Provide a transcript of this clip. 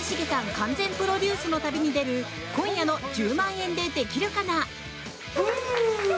完全プロデュースの旅に出る今夜の「１０万円でできるかな」。